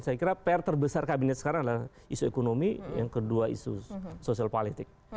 saya kira pr terbesar kabinet sekarang adalah isu ekonomi yang kedua isu sosial politik